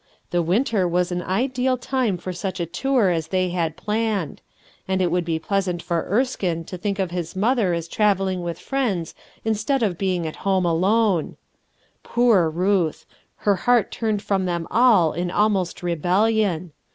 The winter was an ideal time for such a tour as they had planned ; and it would be pleasant for Erskine to think of his mother as travelling with friends instead of being at home alone. Poor Ruth I her heart turned from them all in almost rebellion.